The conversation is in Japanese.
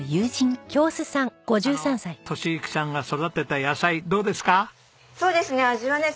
あの敏之さんが育てた野菜どうですか？